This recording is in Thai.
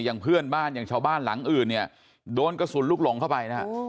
อย่างเพื่อนบ้านอย่างชาวบ้านหลังอื่นเนี่ยโดนกระสุนลูกหลงเข้าไปนะฮะ